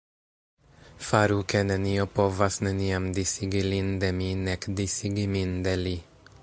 Faru ke nenio povas neniam disigi lin de mi nek disigi min de li”.